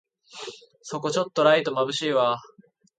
そこちょっとライトまぶしいわ